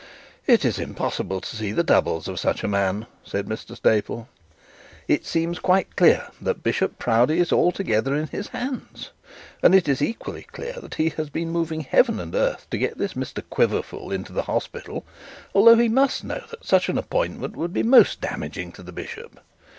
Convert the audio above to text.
'It is impossible to see the doubles of such a man,' said Mr Staple. 'It seems quite clear that Bishop Proudie is altogether in his hands, and it is equally clear that he has been moving heaven and earth to get this Mr Quiverful into the hospital, although he must know that such an appointment would be most damaging to the bishop.